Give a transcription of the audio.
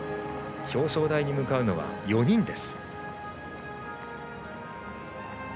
表彰台に向かうのは４人です。